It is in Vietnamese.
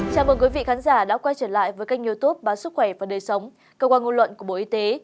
chào mừng quý vị khán giả đã quay trở lại với kênh youtube báo sức khỏe và đời sống cơ quan ngôn luận của bộ y tế